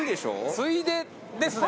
ついでですね。